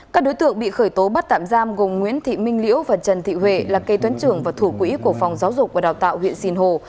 các đối tượng bị khởi tố bắt tạm giam gồm nguyễn thị minh liễu và trần thị huệ là kê toán trưởng và thủ quỹ của phòng giáo dục và đào tạo huyện sinh hồ